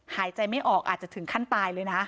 หายใจไม่ออกอาจจะถึงขั้นตายเลยนะ